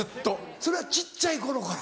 それは小っちゃい頃から？